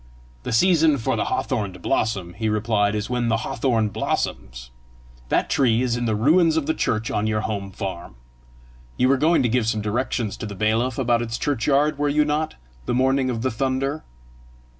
"The season for the hawthorn to blossom," he replied, "is when the hawthorn blossoms. That tree is in the ruins of the church on your home farm. You were going to give some directions to the bailiff about its churchyard, were you not, the morning of the thunder?"